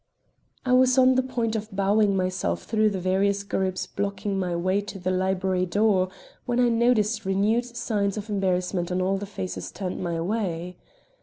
I was on the point of bowing myself through the various groups blocking my way to the library door, when I noticed renewed signs of embarrassment on all the faces turned my way.